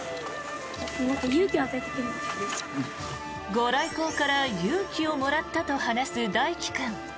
ご来光から勇気をもらったと話す大輝君。